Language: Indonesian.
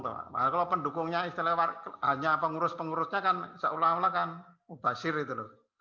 kalau pendukungnya istilahnya hanya pengurus pengurusnya kan seolah olah kan mubasir itu loh